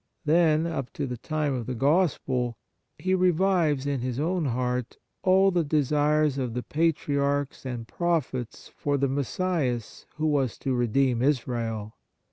Then, up to the time of the Gospel, he revives in his own heart all the desires of the Patriarchs and Prophets for the Messias who was to redeem Israel.